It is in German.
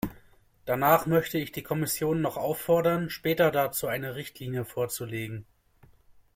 Danach möchte ich die Kommission noch auffordern, später dazu eine Richtlinie vorzulegen.